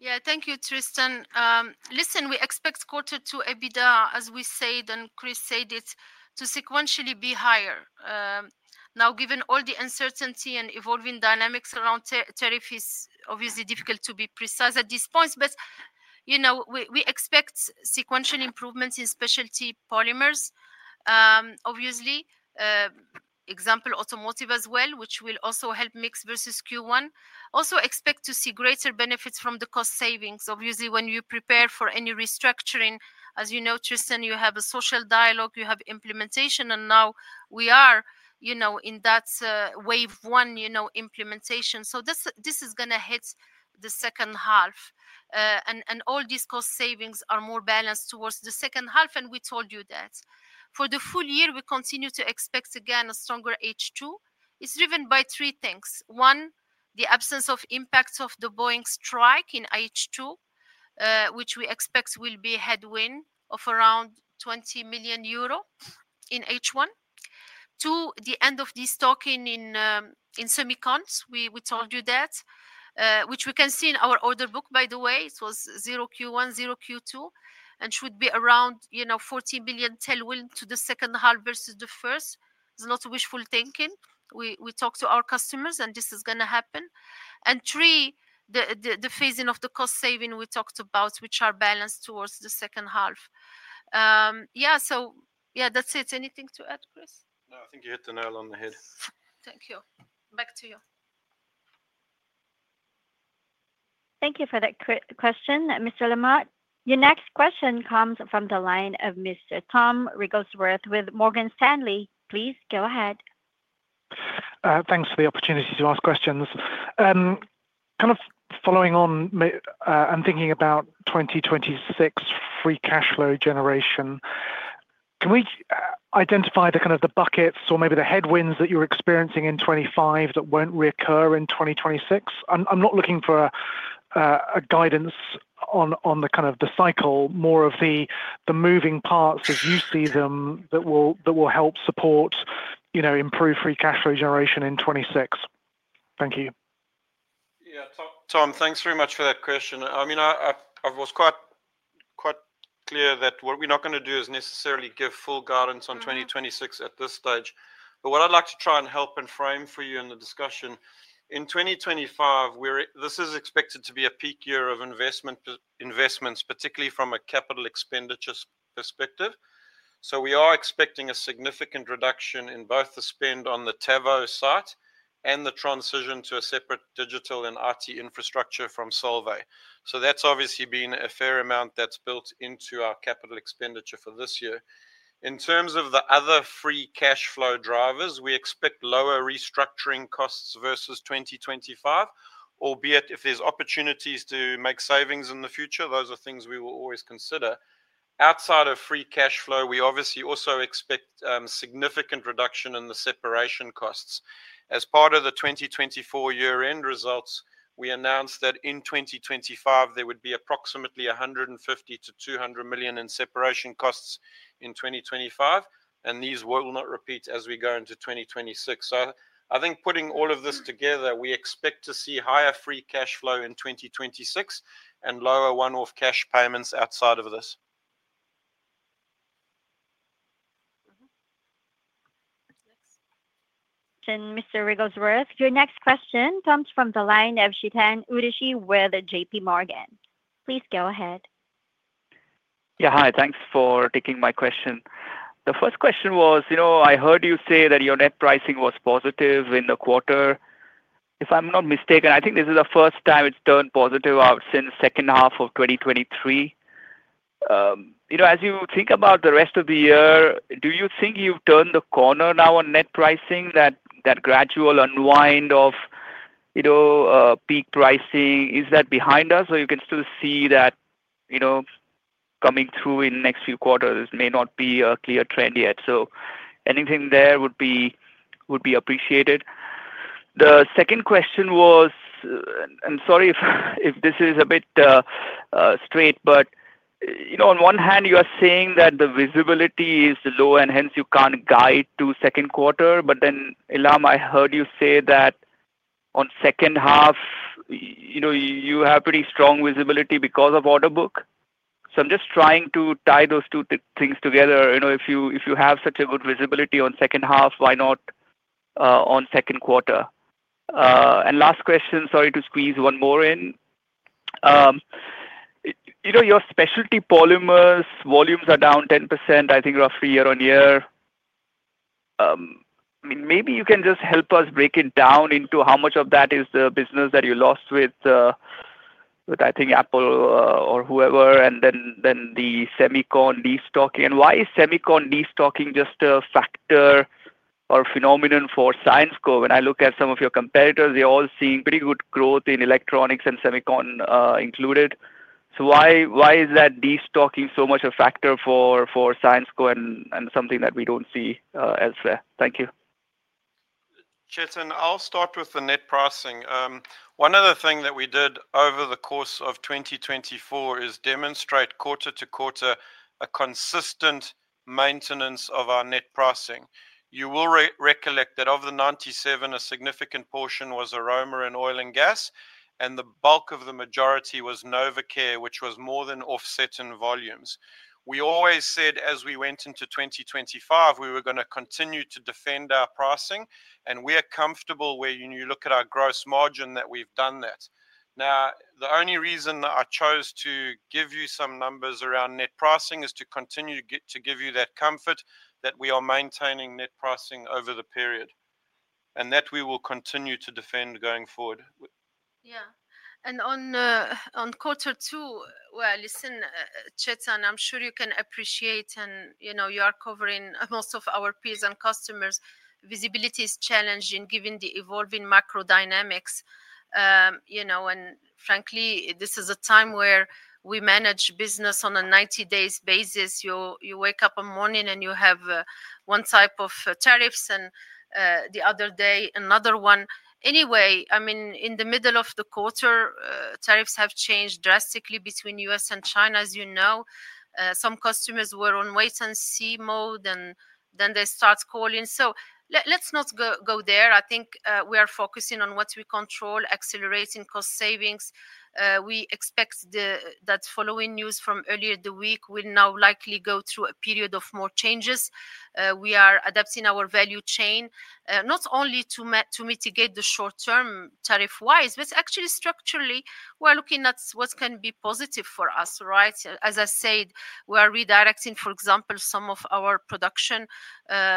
Yeah, thank you, Tristan. Listen, we expect quarter two EBITDA, as we said, and Chris said it, to sequentially be higher. Now, given all the uncertainty and evolving dynamics around tariff, it is obviously difficult to be precise at this point. We expect sequential improvements in specialty polymers, obviously. Example, automotive as well, which will also help mix versus Q1. We also expect to see greater benefits from the cost savings, obviously, when you prepare for any restructuring. As you know, Tristan, you have a social dialogue, you have implementation, and now we are in that wave one implementation. This is going to hit the second half. All these cost savings are more balanced towards the second half, and we told you that. For the full year, we continue to expect again a stronger H2. It is driven by three things. One, the absence of impact of the Boeing strike in H2, which we expect will be a headwind of around 20 million euro in H1. Two, the end of the stocking in semicon, we told you that, which we can see in our order book, by the way. It was Q1, Q2, and should be around 40 million tailwind to the second half versus the first. It's not wishful thinking. We talk to our customers, and this is going to happen. Three, the phasing of the cost saving we talked about, which are balanced towards the second half. Yeah, that's it. Anything to add, Chris? No, I think you hit the nail on the head. Thank you. Back to you. Thank you for that question, Mr. Lamutt. Your next question comes from the line of Mr. Tom Wrigglesworth with Morgan Stanley. Please go ahead. Thanks for the opportunity to ask questions. Kind of following on and thinking about 2026 free cash flow generation, can we identify the kind of buckets or maybe the headwinds that you're experiencing in 2025 that won't reoccur in 2026? I'm not looking for guidance on the kind of the cycle, more of the moving parts as you see them that will help support, improve free cash flow generation in 2026. Thank you. Yeah, Tom, thanks very much for that question. I mean, I was quite clear that what we're not going to do is necessarily give full guidance on 2026 at this stage. What I'd like to try and help and frame for you in the discussion, in 2025, this is expected to be a peak year of investments, particularly from a capital expenditure perspective. We are expecting a significant reduction in both the spend on the Tavaux site and the transition to a separate digital and IT infrastructure from Solvay. That's obviously been a fair amount that's built into our capital expenditure for this year. In terms of the other free cash flow drivers, we expect lower restructuring costs versus 2025, albeit if there's opportunities to make savings in the future, those are things we will always consider. Outside of free cash flow, we obviously also expect significant reduction in the separation costs. As part of the 2024 year-end results, we announced that in 2025, there would be approximately 150 million-200 million in separation costs in 2025, and these will not repeat as we go into 2026. I think putting all of this together, we expect to see higher free cash flow in 2026 and lower one-off cash payments outside of this. Thanks, Mr. Rigglesworth. Your next question comes from the line of Chetan Udeshi with JP Morgan. Please go ahead. Yeah, hi. Thanks for taking my question. The first question was, I heard you say that your net pricing was positive in the quarter. If I'm not mistaken, I think this is the first time it's turned positive since the second half of 2023. As you think about the rest of the year, do you think you've turned the corner now on net pricing, that gradual unwind of peak pricing? Is that behind us? You can still see that coming through in the next few quarters, may not be a clear trend yet. Anything there would be appreciated. The second question was, and sorry if this is a bit straight, but on one hand, you are saying that the visibility is low and hence you can't guide to second quarter. Then, Ilham, I heard you say that on second half, you have pretty strong visibility because of order book. I'm just trying to tie those two things together. If you have such good visibility on the second half, why not on the second quarter? Last question, sorry to squeeze one more in. Your specialty polymers volumes are down 10%, I think, roughly year on year. I mean, maybe you can just help us break it down into how much of that is the business that you lost with, I think, Apple or whoever, and then the semicond stocking. Why is semicond stocking just a factor or phenomenon for Syensqo? When I look at some of your competitors, they're all seeing pretty good growth in electronics and semicon included. Why is that de-stocking so much a factor for Syensqo and something that we do not see elsewhere? Thank you. Chetan, I'll start with the net pricing. One other thing that we did over the course of 2024 is demonstrate quarter to quarter a consistent maintenance of our net pricing. You will recollect that of the 97, a significant portion was Aroma and Oil and Gas, and the bulk of the majority was Novecare, which was more than offset in volumes. We always said as we went into 2025, we were going to continue to defend our pricing, and we are comfortable where you look at our gross margin that we've done that. Now, the only reason I chose to give you some numbers around net pricing is to continue to give you that comfort that we are maintaining net pricing over the period and that we will continue to defend going forward. Yeah. On quarter two, Chetan, I'm sure you can appreciate, and you are covering most of our peers and customers. Visibility is challenging given the evolving macro dynamics. Frankly, this is a time where we manage business on a 90-day basis. You wake up one morning and you have one type of tariffs, and the other day, another one. I mean, in the middle of the quarter, tariffs have changed drastically between the U.S. and China, as you know. Some customers were on wait-and-see mode, and then they start calling. Let's not go there. I think we are focusing on what we control, accelerating cost savings. We expect that following news from earlier in the week will now likely go through a period of more changes. We are adapting our value chain, not only to mitigate the short-term tariff-wise, but actually structurally, we're looking at what can be positive for us, right? As I said, we are redirecting, for example, some of our production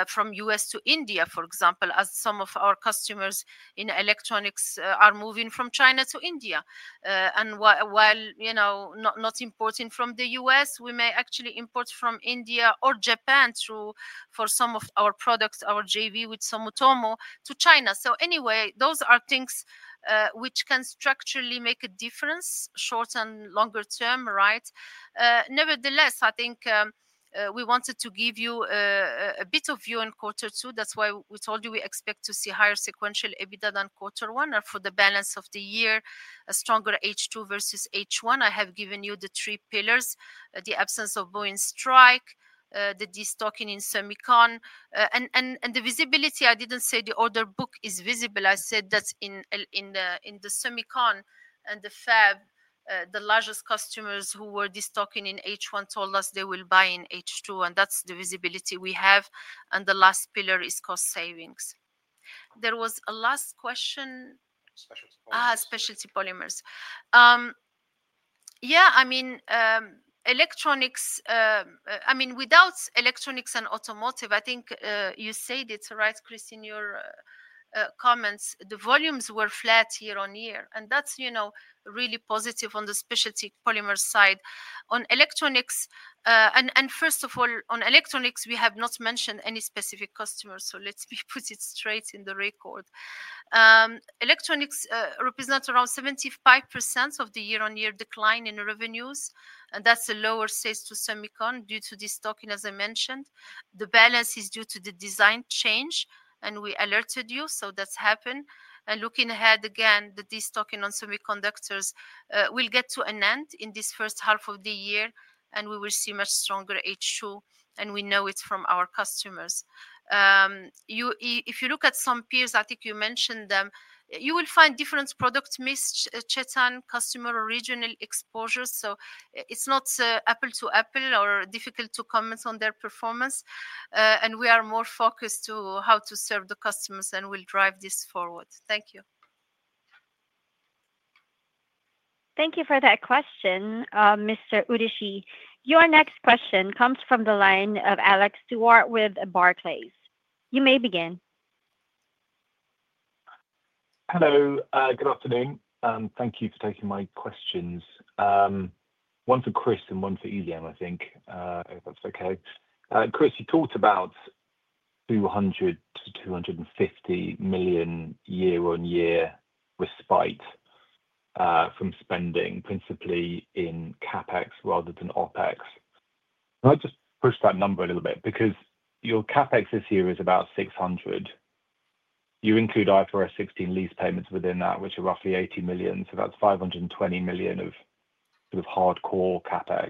from the U.S. to India, for example, as some of our customers in electronics are moving from China to India. While not importing from the U.S., we may actually import from India or Japan for some of our products, our JV with Sumitomo to China. Anyway, those are things which can structurally make a difference, short and longer term, right? Nevertheless, I think we wanted to give you a bit of view in quarter two. That is why we told you we expect to see higher sequential EBITDA than quarter one for the balance of the year, a stronger H2 versus H1. I have given you the three pillars: the absence of Boeing strike, the de-stocking in semiconductors, and the visibility. I did not say the order book is visible. I said that in the semicons and the fab, the largest customers who were de-stocking in H1 told us they will buy in H2, and that's the visibility we have. The last pillar is cost savings. There was a last question. Specialty polymers. Specialty polymers. Yeah, I mean, electronics, I mean, without electronics and automotive, I think you said it, right, Chris, in your comments, the volumes were flat year on year, and that's really positive on the specialty polymer side. On electronics, and first of all, on electronics, we have not mentioned any specific customers, so let me put it straight in the record. Electronics represents around 75% of the year-on-year decline in revenues, and that's a lower size to semicons due to de-stocking, as I mentioned. The balance is due to the design change, and we alerted you, so that's happened. Looking ahead again, the de-stocking on semiconductors will get to an end in this first half of the year, and we will see much stronger H2, and we know it from our customers. If you look at some peers, I think you mentioned them, you will find different product mix, Chetan, customer or regional exposure. It is not apple to apple or difficult to comment on their performance, and we are more focused on how to serve the customers and will drive this forward. Thank you. Thank you for that question, Mr. Udishi. Your next question comes from the line of Alex Duarte with Barclays. You may begin. Hello. Good afternoon, and thank you for taking my questions. One for Chris and one for Ilham, I think, if that's okay. Chris, you talked about 200 million-250 million year-on-year respite from spending, principally in CapEx rather than OpEx. I'd just push that number a little bit because your CapEx this year is about 600 million. You include IFRS 16 lease payments within that, which are roughly 80 million, so that's 520 million of sort of hardcore CapEx.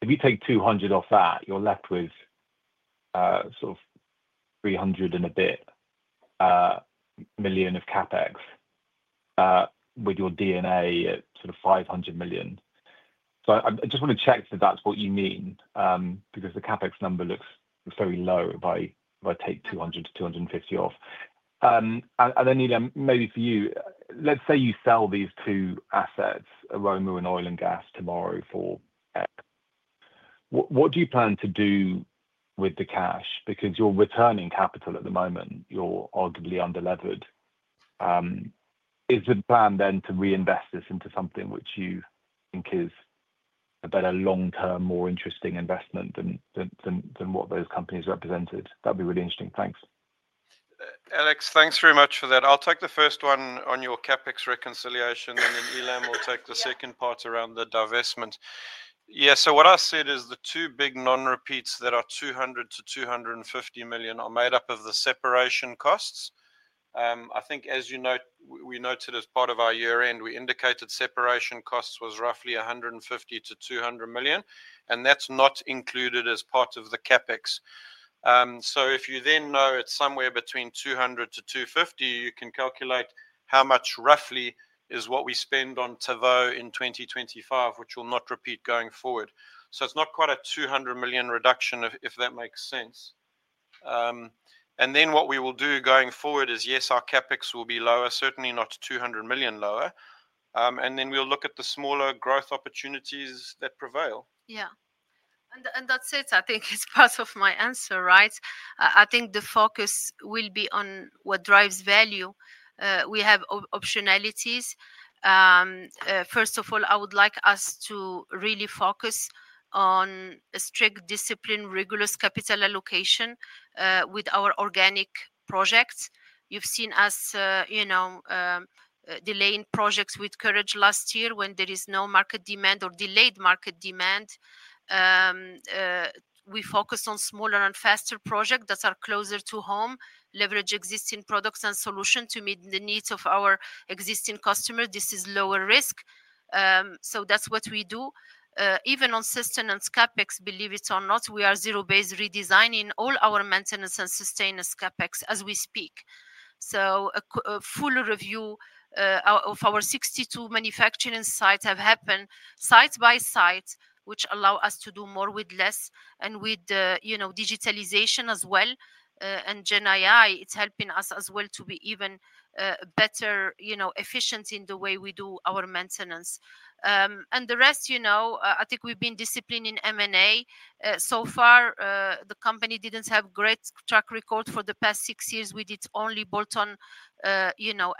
If you take 200 million off that, you're left with sort of 300 million and a bit of CapEx with your DNA at sort of 500 million. I just want to check that that's what you mean because the CapEx number looks very low if I take 200 million to 250 million off. Ilham, maybe for you, let's say you sell these two assets, Aroma and Oil and Gas, tomorrow for X. What do you plan to do with the cash? Because you're returning capital at the moment, you're arguably underlevered. Is the plan then to reinvest this into something which you think is a better long-term, more interesting investment than what those companies represented? That'd be really interesting. Thanks. Alex, thanks very much for that. I'll take the first one on your CapEx reconciliation, and then Ilham will take the second part around the divestment. Yeah, so what I said is the two big non-repeats that are 200 million-250 million are made up of the separation costs. I think, as you know, we noted as part of our year-end, we indicated separation costs was roughly 150 million-200 million, and that's not included as part of the CapEx. If you then know it's somewhere between 200 million-250 million, you can calculate how much roughly is what we spend on Tavaux in 2025, which will not repeat going forward. It is not quite a 200 million reduction, if that makes sense. What we will do going forward is, yes, our CapEx will be lower, certainly not 200 million lower. We will look at the smaller growth opportunities that prevail. Yeah. That is it. I think it is part of my answer, right? I think the focus will be on what drives value. We have optionalities. First of all, I would like us to really focus on a strict discipline, rigorous capital allocation with our organic projects. You have seen us delaying projects with courage last year when there is no market demand or delayed market demand. We focus on smaller and faster projects that are closer to home, leverage existing products and solutions to meet the needs of our existing customers. This is lower risk. That is what we do. Even on sustainment CapEx, believe it or not, we are zero-based redesigning all our maintenance and sustainment CapEx as we speak. A full review of our 62 manufacturing sites has happened site by site, which allows us to do more with less and with digitalization as well. GenAI is helping us as well to be even better efficient in the way we do our maintenance. The rest, I think we have been disciplined in M&A. So far, the company did not have a great track record for the past six years. We did only bolt-on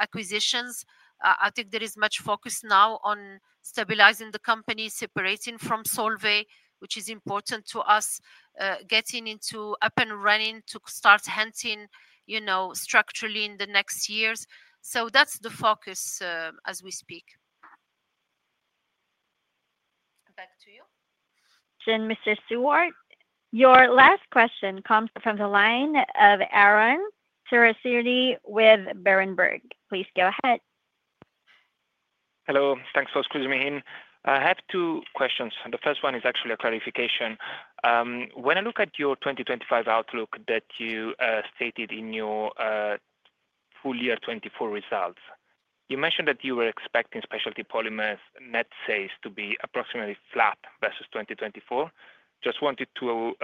acquisitions. I think there is much focus now on stabilizing the company, separating from Solvay, which is important to us, getting into up and running to start hunting structurally in the next years. That is the focus as we speak. Back to you. And Mr. Stewart, your last question comes from the line of Aaron Serasieri with Berenberg. Please go ahead. Hello. Thanks for squeezing me in. I have two questions. The first one is actually a clarification. When I look at your 2025 outlook that you stated in your full year 2024 results, you mentioned that you were expecting specialty polymers net sales to be approximately flat versus 2024. Just wanted to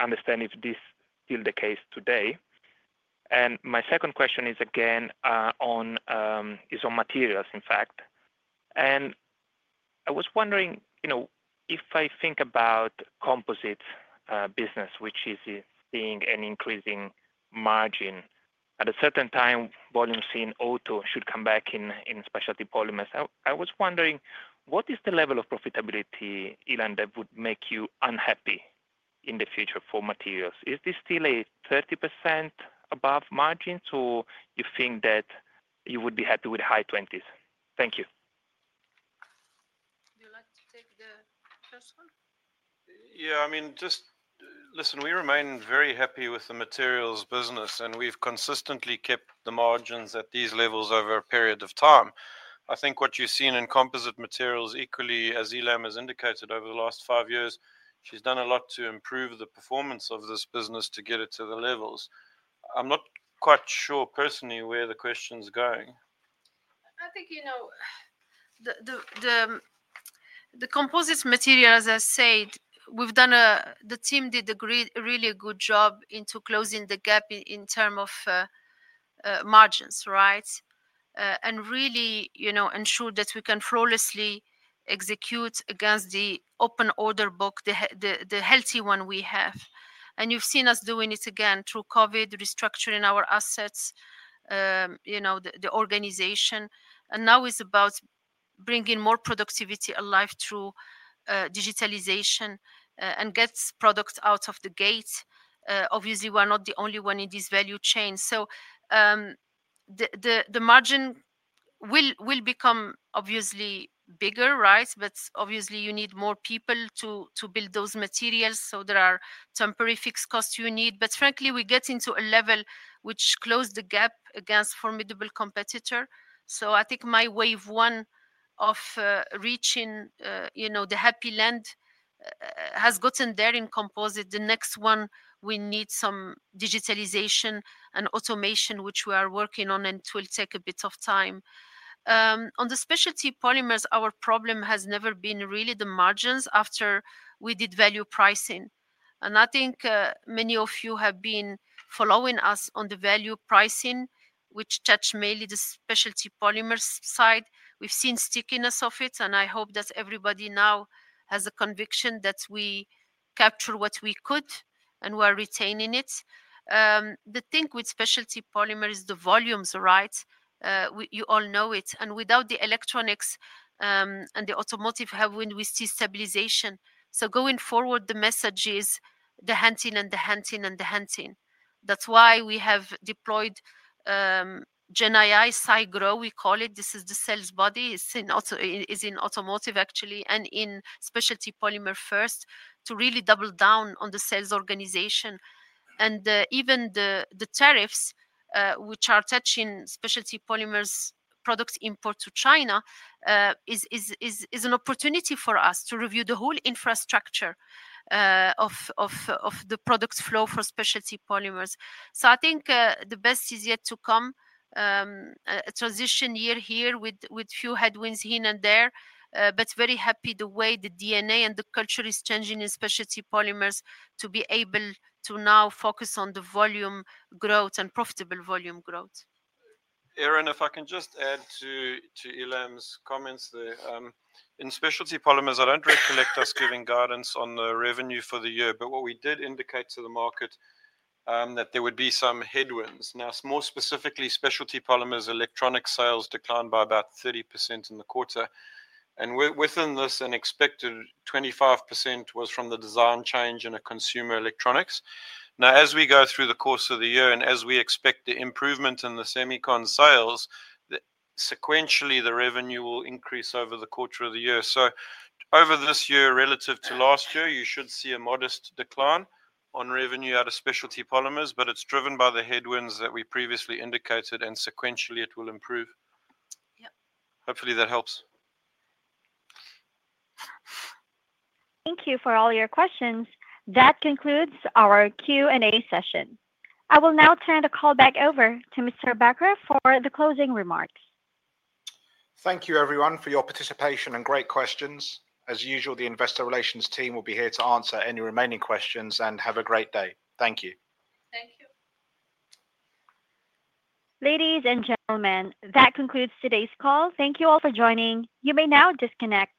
understand if this is still the case today. My second question is again on materials, in fact. I was wondering if I think about composite business, which is seeing an increasing margin, at a certain time, volume seen auto should come back in specialty polymers. I was wondering, what is the level of profitability, Ilham, that would make you unhappy in the future for materials? Is this still a 30% above margin, or do you think that you would be happy with high 20s? Thank you. You'd like to take the first one? Yeah. I mean, just listen, we remain very happy with the materials business, and we've consistently kept the margins at these levels over a period of time. I think what you've seen in composite materials equally, as Ilham has indicated over the last five years, she's done a lot to improve the performance of this business to get it to the levels. I'm not quite sure personally where the question's going. I think the composite materials, as I said, the team did a really good job in closing the gap in terms of margins, right, and really ensured that we can flawlessly execute against the open order book, the healthy one we have. You have seen us doing it again through COVID, restructuring our assets, the organization. Now it is about bringing more productivity alive through digitalization and getting products out of the gate. Obviously, we are not the only one in this value chain. The margin will become obviously bigger, right? Obviously, you need more people to build those materials. There are temporary fixed costs you need. Frankly, we get into a level which closed the gap against a formidable competitor. I think my wave one of reaching the happy land has gotten there in composite. The next one, we need some digitalization and automation, which we are working on, and it will take a bit of time. On the specialty polymers, our problem has never been really the margins after we did value pricing. I think many of you have been following us on the value pricing, which touched mainly the specialty polymers side. We have seen stickiness of it, and I hope that everybody now has a conviction that we capture what we could and we are retaining it. The thing with specialty polymers is the volumes, right? You all know it. Without the electronics and the automotive heaven, we see stabilization. Going forward, the message is the hunting and the hunting and the hunting. That is why we have deployed GenAI, CyGro, we call it. This is the sales body. It is in automotive, actually, and in specialty polymer first to really double down on the sales organization. Even the tariffs, which are touching specialty polymers' product import to China, are an opportunity for us to review the whole infrastructure of the product flow for specialty polymers. I think the best is yet to come. A transition year here with few headwinds here and there, but very happy the way the DNA and the culture is changing in specialty polymers to be able to now focus on the volume growth and profitable volume growth. Aaron, if I can just add to Ilham's comments, in specialty polymers, I do not recollect us giving guidance on the revenue for the year, but what we did indicate to the market is that there would be some headwinds. Now, more specifically, specialty polymers' electronic sales declined by about 30% in the quarter. Within this, an expected 25% was from the design change in consumer electronics. As we go through the course of the year and as we expect the improvement in the semicond sales, sequentially, the revenue will increase over the quarter of the year. Over this year, relative to last year, you should see a modest decline on revenue out of specialty polymers, but it is driven by the headwinds that we previously indicated, and sequentially, it will improve. Hopefully, that helps. Thank you for all your questions. That concludes our Q&A session. I will now turn the call back over to Mr. Bakr for the closing remarks. Thank you, everyone, for your participation and great questions. As usual, the investor relations team will be here to answer any remaining questions, and have a great day. Thank you. Ladies and gentlemen, that concludes today's call. Thank you all for joining. You may now disconnect.